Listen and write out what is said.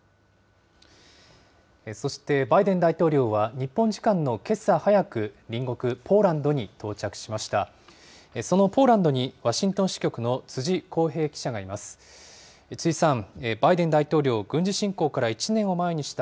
そしてバイデン大統領は日本時間のけさ早く、隣国ポーランドに到着しました。